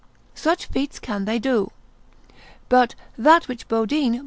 Such feats can they do. But that which Bodine, l.